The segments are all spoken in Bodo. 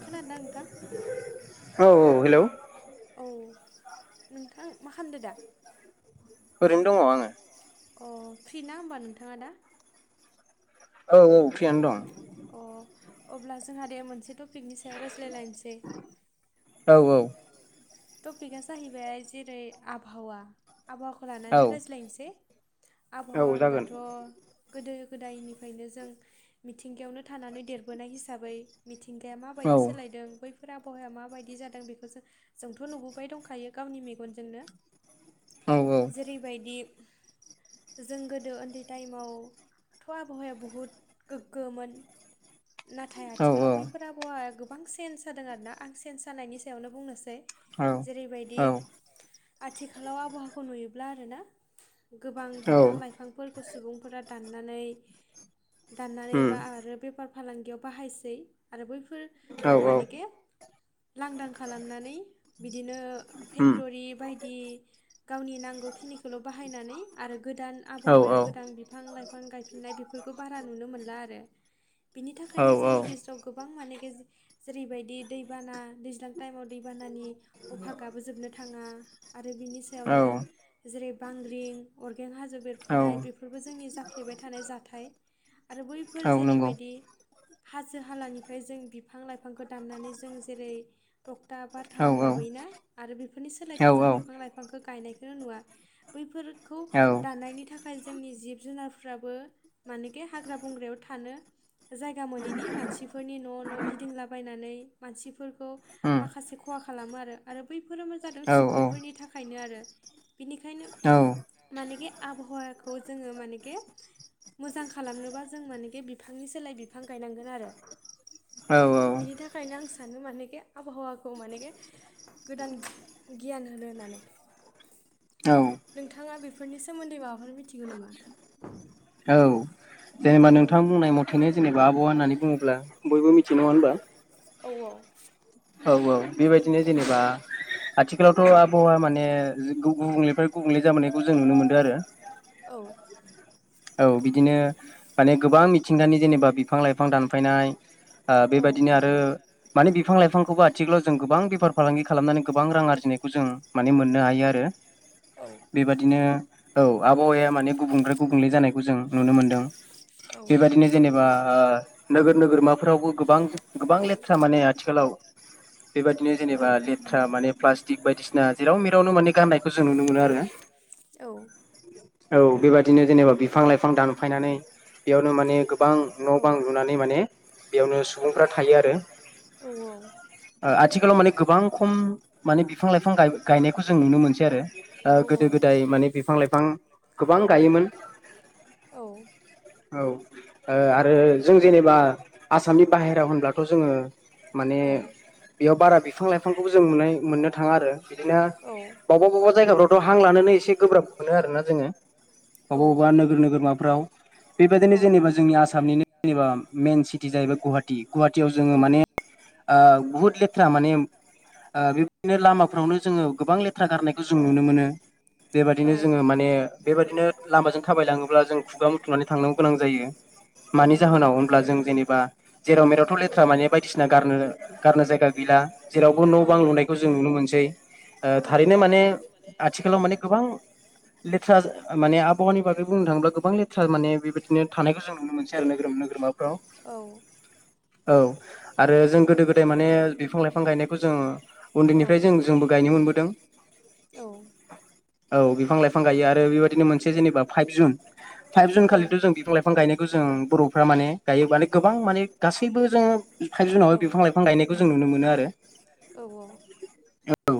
खोनादोंना नोंथां औ औ हेलौ। औ नोंथां मा खालामदों दा? ओरैनो दङ आङो। अ फ्रि ना होमबा नोंथाङा दा? औ औ फ्रियानो दं। अ अब्ला जोंहा दे मोनसे टपिकनि सायाव रायज्लायलायनोसै। औ औ। टपिकआ जाहैबाय जेरै आबहावा आबहावाखौ औ लानानै रायज्लायनोसै। औ आबहावा जागोन होनबाथ' गोदो गोदायनिफ्रायनो जों मिथिंगायावनो थानानै देरबोनाय हिसाबै मिथिं गाया औ माबायदि सोलायदों बैफोर आबहावाया माबायदि जादों बेखौ जों जोंथ' नुबोबाय दंखायो गावनि मेगनजोंनो। औ औ जेरैबायदि [inaudible] जों गोदो उन्दै टाइमावथ' आबहावाया बुहुत गोग्गोमोन। नाथाय आथिखालाव औ बैफोर आब'हावावा गोबां चेन्ज जादों आरो ना आं चेन्ज जानायनि सायावनो बुंनोसै। जेरैबायदि औ आथिखालाव आबहावाखौ नुयोब्ला आरोना गोबां बिफां लाइफांफोरखौ सुबुंफोरा दाननानै दाननानै उम बा आरो बेफार फालांगियाव बाहायसै आरो बै औ फोरखौ औ मानेके लांदां खालामनानै बिदिनो उम फेक्टरि बायदि गावनि नांगौखिनि खौल' बाहायनानै आरो गोदान औ आबहावायाव गोदान बिफां लाइफां गायफिननाय बेफोरखौ बारा नुनो मोनला आरो। बिनि थाखायनो औ जोंनि गेजेराव गोबां माने गेज जेरैबायदि दैबाना दैज्लां टाइमाव दैबानानि अभागाबो जोबनो थाङा आरो बिनि औ सायावनो जेरै बांग्रिं अरगें हाजो औ बेरफ्रुनाय बेफोरबो जोंनि जाफ्लेबाय थानाय जाथाय‌ आरो बैफोर औ नंगौ जेरैबायदि हाजो हालानिफ्राय जों बिफां लाइफांखौ दाननानै जों जेरै तकथा औ बाथाम ला ना आरो बेफोरनि औ सोलायथ' जों बिफां लाइफांखौ गायनायखौनो नुवा। बैफोर खौ औ दानायनायनि थाखाय जोंनि जिब जुनारफ्राबो मानेखे हाग्रा बंग्रायाव थानो जायगा मोनैनि मानसिफोरनि न' न' गिदिंलाबायनानै मानसिफोर खौ उम माखासे खहा खालामो आरो आरो बैफोरो मा जादों औ सुबुंफोरनि थाखायनो आरो। बिनिखायनो मानेखे आबहावाखौ जोङो मानेके मोजां खालामनोबा जों मानेके बिफांनि सोलाय बिफां गायनांगोन आरो। औ बिनि थाखायनो आं सानो मानेके आबहावाखौ मानेके गोदान गियान होनो होननानै औ नोंथाङा बेफोर नि सोमोन्दै माबाफोर मिथिगौ नामा? औ जेनेबा औ नोंथां बुंनाय मथेनो जेनेबा औवा होननानै बुङोब्ला बयबो मिथियो नङा होनबा। औ औ। औ औ बेबायदिनो जेनेबा आथिखालावथ' आबहावा माने गुबुंलेनिफ्राय गुबुंले जाबोनायखौ जों नुनो मोन्दो आरो औ। औ बिदिनो माने गोबां मिथिंगानि जेनेबा बिफां लाइफां दानफायनाय आ औ बेबायदिनो आरो माने बिफां लाइफां खौबो आथिखालाव जों गोबां बेफार फालांगि खालामनानै गोबां रां आरजिनायखौ जों माने मोननो हायो आरो औ बेबादिनो औ आबहावाया माने गुबुं [unintelligible] गुबुंले जानायखौ जों नुनो मोनदों। औ। बेबायदिनो जेनेबा ओ नोगोर नोगोरमाफोरावबो गोबां गोबां लेथ्रा माने आथिखालाव [inaudible] बेबायदिनो जेनेबा औ लेथ्रा माने प्लास्टिक बायदिसिना जेराव मेरावनो माने गाननायखौ जों नुनो मोनो आरो औ। औ बेबायदिनो जेनेबा बिफां लाइफां दानफायनानै बेयावनो माने गोबां न' औ बां लुनानै माने बेयावनो सुबुंफ्रा थायो आरो [inaudible] आ आथिखालाव माने गोबां खम माने बिफां लाइफां गाय-गायनायखौ जों नुनो मोनसै आरो ओ जेनेबा गोदो गो दाय माने बिफां लाइफां गोबां गाय योमोन औ ओ आरो जों जेनेबा आसामनि बाहेरायाव होनब्लाथ' जोङो माने बेयाव बारा बिफां लाइफांखौबो जों नुनाय मोननो थाङा आरो बिदिनो बबावबा बबावबा जायगाफ्रावथ' हां लानोनो एसे गोब्राब मोनो आरो ना जोङो अबा अबा नोगोर नोगोरमाफ्राव। बेबायदिनो जेनेबा जोंनि आसामनिनो जेनेबा मेइन सिटि जाहैबाय गुवाहाटि। गुवाहाटियाव जोङो माने आ बुहुत लेथ्रा माने आ बेबायदिनो लामाफ्रावनो जोङो गोबां लेथ्रा गारनायखौ जों नुनो गोबां मोनो। बेबायदिनो नुनो मोनो जोङो माने बेबायदिनो लामाजों थाबायलाङोब्ला जों खुगा मुथुनानै थांनो गोनां जायो। औ नंगौ। अब्ला जों जेनेबा जेराव मेरावथ' लेथ्रा माने बायदिसिना गारनो गारनो जायगा गैला जेरावबो न' बां लुनायखौ जों नुनो मोनसै। ओ नुनो थारैनो माने आथिखालाव माने गोबां लेथ्रा माने आबहावानि बागै बुंनो थाङोब्ला गोबां लेथ्रा माने बेबायदिनो थानायखौ जों नुनो मोनसै आरो नोगोर नोगोरमा औ। आरो जों गोदो गो दाय माने बिफां लाइफां गायनायखौ जोङो उन्दैनिफ्राय जों जोंबो गायनो मोनबोदों। औ। औ बिफां लाइफां गायो आरो बेबायदिनो मोनसे जेनेबा फाइभ जुन। फाइभ मोनबोदों जुन खालिथ' जों बिफां लाइफां गायनायखौ जोङो बर'फ्रा माने गायो माने गोबां माने गासैबो जोङो फाइभ जुनावहाय दानि बिफां लाइ फां गायनायखौ जों नुनो मोनो आरो मोनो औ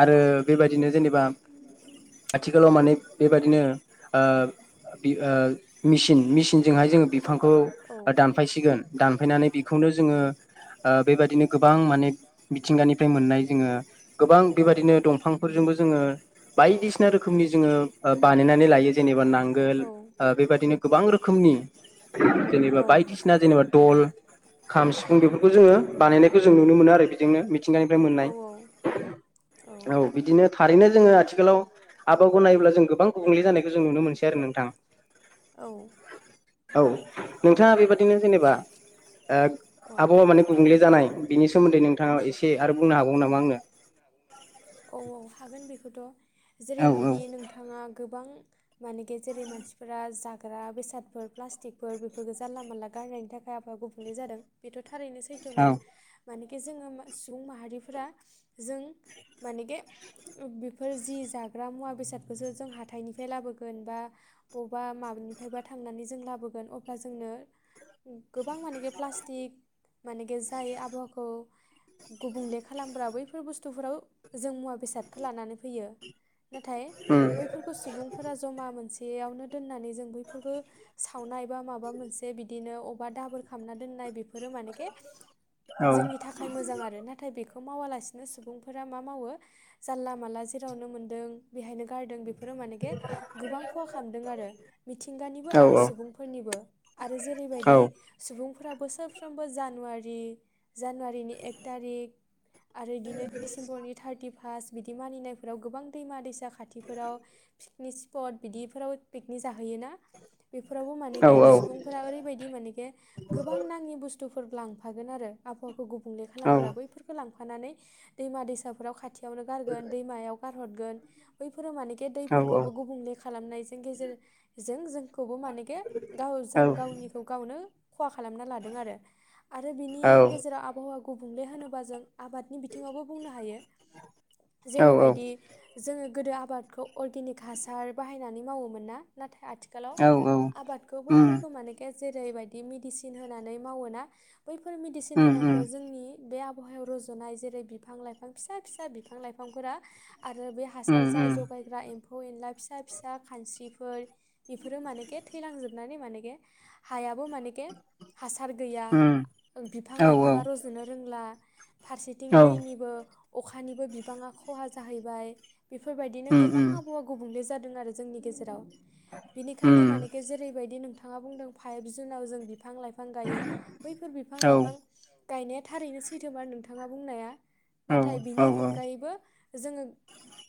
आरो बेबायदिनो जेनेबा आथिखालाव माने बेबादिनो आ बि आ मिसिन मिसिनजोंहाय जोङो बिफां खौ दानफायसिगोन दानफायनानै बेखौनो जोङो ओ बेबायदिनो गोबां माने मिथिंगानिफ्राय मोननाय जोङो गोबां बेबायदिनो दंफांफोरजोंबो जोङो बायदिसिना रो खोमनि जोङो ओ बानायनानै लायो जेनेबा नांगोल ओ बेबादिनो गोबां रोखोमनि जेनेबा बायदिसिना जेनेबा दल, खाम, सिफुं बेफोर बो जोङो बानायनायखौ जों नुनो मोनो आरो बेजोंनो मिथिंगानिफ्राय मोननाय औ बिदिनो थारैनो जोङो आथिखालाव आबावगौ नायोब्ला जों गोबां गुबुंले जानायखौ जों नुनो मोनसै आरो नोंथां औ औ नोंथाङा बेबादिनो जेनेबा ओ आबहावा माने गुबुंले जानाय बेनि सोमोन्दै नोंथाङा एसे आरो बुंनो हाबावगो नामा आंनो [inaudible] औ औ हागोन बेखौथ जेरैबायदि औ नोंथाङा गोबां माने गेजेरै मानसिफोरा जाग्रा बेसादफोर प्लास्टिकफोर बे [unintelligible] जानला मानला गारनायनि थाखाय आफावा गुबुंले जादों बेथ थारैनो सैथोमार मानेखे जोङो सुबुं माहारिफोरा जों मानेगे बेफोर जि जाग्रा मुवा बेसादखौसो जों हाथाइनिफ्राय लाबोगोन बा बबेबा मा निफ्रायबा थांनानै जों लाबोगोन अब्ला जोंनो गोबां मानेगे प्लास्टिक मानेगे जाय आबहावाखौ गुबुंले खालामग्रा बैफोर बुस्थुफोराव जों मुवा बेसादखो लानानै फैयो नाथाय औ उम बैफोरखौ सुबुंफोरा जमा मोनसे बेयावनो दोननानै जों बैफोरखौ सावनाय बा माबा मोनसे बिदिनो अबा दाबोर खालामना दोननाय बेफोरो मानेके औ जोंनि थाखाय मोजां आरो नाथाय बेखौ मावालासेनो सुबुंफोरा मा मावो जाला माला जेरावनो मोनदों बेहायनो गारदों बे फोरो मानेगे गोबां खहा खामदों आरो मिथिंगानिबो औ आरो औ सुबुंफोरनिबो आरो जेरैबायदि सुबुं फोरा बोसोरफ्रोमबो जानुवारि जानुवारिनि एक थारिक आरो इदिनो डिसेम्बरनि थार्टि फास बिदि मानिनायफोराव गोबां दैमा दैसा खाथिफोराव फिकनिक स्पट बिदिफोराव पिकनिक जाहैयोना बेफोरावबो मा औ मानेके सुबुंफोरा ओरैबादि मानेगे गोबां नङि बुसथुफोर लांफागोन आरो आबावाखौ गुब खुंले खालामग्रा बैफोरखौ लांफानानै दैमा दैसाफोराव खाथियावनो गारगोन दैमायाव गार हदगोन बै फोरो मानेखे दैफोरखौबो गुबुंले खालामनायजों गेजेरजों जोंखौबो मानेगे गाव जों गावनिखौ गावनो खहा खालामना लादों आरो आरो बिनि औ गेजेराव आबहावा गुबुंले होनोबा जों आबादनि बिथिङावबो बुंनो हायो उम जेरैबायदि जोङो गोदो आबादखौ अर्गेनिक हासार बाहायनानै मावोमोन ना नाथाय आथिखालाव उम आबाद बैफोरखौ मानेखे जेरैबायदि मेडिसिन होनानै मावोना बैफोर मेडिसिन उम होनायफ्राव जोंनि बे आबहावायाव रुजनाय जेरै बिफां लाइफां फिसा फिसा बिफां लाइफांफोरा आरो बे उम हासार जाय जगायग्रा एम्फौ फौ एनला फिसा फिसा खानस्रिफोर बेफोरो मानेखे थैलांजोब नानै मानेगे हायाबो मानेगे हासार गैया उम बिफां औ लाइफाङा औ रजनो रोंला फारसेथिं दैनिबो अखानिबो बिबाङा खहा जाहैबाय बेफोरबायदिनो उम गोबां उम आबहावा गुबुंले जादों आरो जोंनि गेजेराव बिनिखायनो उम मानेगे जेर बायदि नोंथाङा बुंदों फाइभ जुनाव जों बिफां लाइफां गायो बैफोर बिफां औ लाइफां गायनाया थारैनो सैथोमार नोंथाङा बुंनाया नाथाय औ बिनि औ अनगायैबो जोङो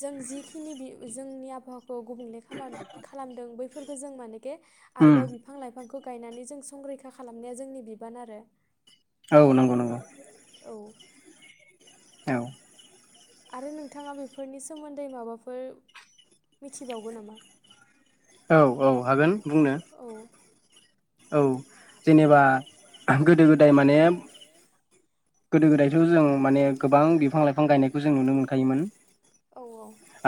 जों जिखिनि बि जोंनि आबहावाखौ गुबुंले खामोन खालामदों बैफोर फोजों मानेके उम आरोबाव बिफां लाइफांखौ गायनानै जों संरैखा खालामनाया जोंनि बिबान आरो औ नंगौ नंगौ औ औ आरो नोंथाङा बेफोरनि सोमोन्दै माबाफोर मिथिबावगो नामा? औ औ हागोन बुंनो औ औ जेनेबा गोदो गोदाय माने गोदो गोदायथ जों माने गोबां बिफां लाइफां गायनायखौ जों नुनो मोनखायोमोन औ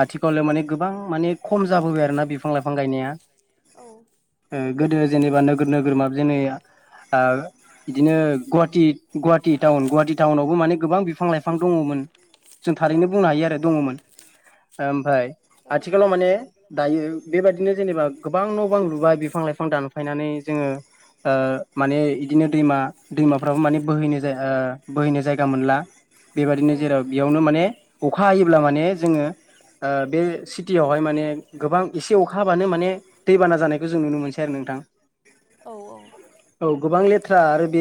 आथिखालाव माने गोबां माने खम जाबोबाय आरोना बिफां लाइफां गायनाया औ गोदो जेनेबा नोगोरमा जेनै बिदिनो गुवाहाटिी गुवाहाटि टाउन गुवाहाटि टाउनावबो माने गोबां बिफां लाइफां दङमोन जों औ थारैनो बुंनो हायो आरो दङमोन ओमफ्राय औ आथिखालाव माने दायो बेबायाददिनो जेनेबा गोबां न बां लुबाय बिफां फां लाइफां दानफायनानै जोङो ओ माने इदिनो दै दैमाफ्रो म बोहैनो ज ओ बोहैनो जायगा मोनला बेबायदिनो औ जेराव बेयावनो माने अखा हायोब्ला माने जोङो बे सिटियावहाय माने गोबां एसे अखा हाबानो माने दैबाना जानायखौ जों नुनो मोनसै आरो नोंथां औ औ औ गोबां लेथ्रा आरो बे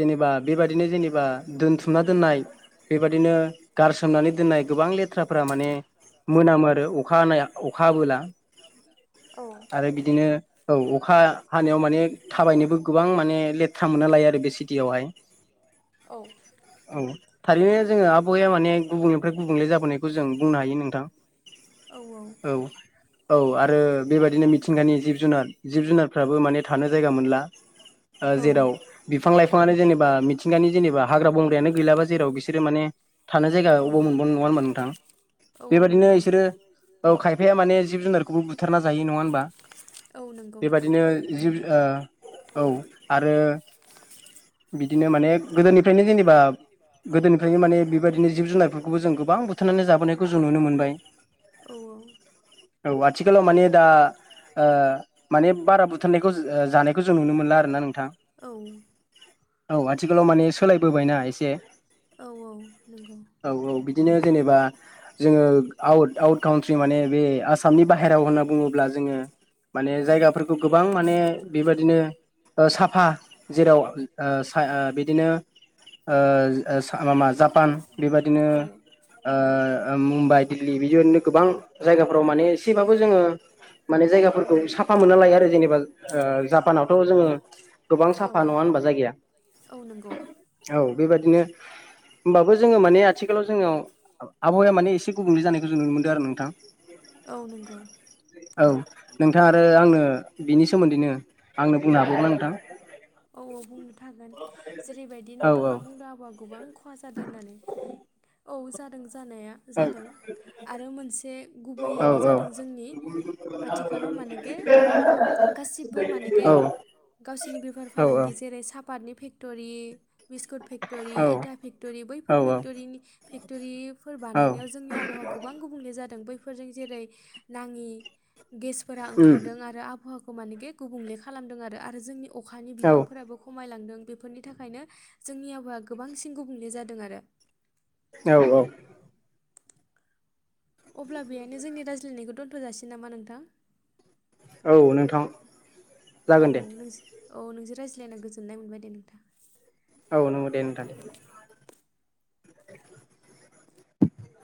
जेनेबा बेबादिनो जेनेबा दोनथुमना दोननाय बेबादिनो गारसोमनानै दोननाय गोबां लेथ्राफोरा माने मोनामो आरो अखा हानाया अखाहाबीला अखाहाबीला आरो बिदिनो औ अखा हानायाव माने थाबायनोबो माने गोबां माने लेथ्रा मोनना लायो आरो बे सिटियावहाय औ थारैनो जोङो आबहावाया माने गुबुंनिफ्राय गुबुंले जाबोनायखौ जों बुंनो हायो नोंथां औ औ आरो बेबायदिनो मिथिंगानि जिब जुनार जिब जुनार बो माने थानो जायगा मोनला ओ औ जेराव बिफां लाइफाङानो जेनेबा मिथिंगानि जेनेबा हाग्रा बंग्रायानो गैलाबा जेराव बिसोरो माने थानाय जायगा औ अबाव मोनबावनो नङा होनोमबा नोंथां औ औ बेबायदिनो नंगौ बिसोरो औ खायफाया माने जिब जुनारखौबो बुज बुथारना जायो नङा होनबा औ नंगौ बेबदििनो जिब औ आरो बिदिनो माने गोदोनिफ्रायनो जेनेबा गोदोनिफ्रायनो माने बेबायदिनो जिब जुनारफोरखौबो जों गोबां बुथारनानै जाबोनायखौ जों नुनो मोनबाय औ औ औ आथिखालाव माने दा ओ माने बो बारा बुथारनायखौ ओ जानायखौ जों नुनो मोनला आरोोना नोंथां औ औ आ आथिखालाव माने सोलायबोबायना एसे औ नंगौ औ औ बिदिनो जेनेबा जोङो आउट आउट काउट्रि माने बे आसामनि बाहेरायाव होन्ना बुङोब्ला जोङो माने औ जायगाफोरखौ गोबां माने बेबादिनो साफा जेराव ओ सा ओ बिदिनो ओ सा माबा जापान बेबादिनो औ ओ ओ मुम्बाइ दिल्ली बिदिनो गोबां जायगाफोराव माने एसेबाबो जोङो माने औ जायगाफोरखौ साफा मोनना लाया आरो जेनेबा ओ जापानावथ जोङो गोबां औ साफा नङा होनबा जायगाया औ नंगौ बिदिनो होमबाबो जोङो माने आथिखालावजोङाजोङो आबहावाया माने एसे गुबुंले जानायखौ जों नुनो मोनदों आरो नोंथां औ नंगौ औ नोंथां आरो आंनो बिनि सोमोन्दैनो आंनो बुंनो हाबावगोनना नोंथां औ औ बुंनो थहागोन जेरैबायदि औ नोंथाङा बुंदों आबआ गोबां खहा जादों होननानै औ जादों जानाया औ जादों आरो मोनसे औ औ गुबैयानो जादों जोंनि आथिखालाव मानगे। गासिबो माने गे औ गावसोरनि बेफार औ फालांगि जेरै सापातनि। फेक्ट'रि बिस्कुट फेक्ट'रि औ इटा फेक्ट'रि बैफोर फेक्टरिनि फेक्ट'रिफोर बानायनायाव जोंनि आबहावा गोबां गुबुंले जादों बैफोरजों जेरै नाङि गेस उम खारदों आरो आबहावाखौ मानोखे गे गुबुंले खालामदों आरो जोंनि अखानि बिबांफोराबो खम खमायलांदों बेफोरनि थाखायनो जोंनि आबहावाया गोबांसिन गुबुंले जादों आरो। औ औ। अब्ला बेहायनो जोंनि रायज्लायनायखौ दोनथ'जासिगोन नामा नोंथां? औ नोंथां। औ जागोन दे औ नोंजो औ नोंजों रायज्लायना गोजोननाय मोनबाय दे नोंथां। औ नंगौ दे नोंथां।